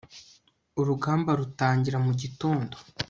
urugamba rutangira mu gitondo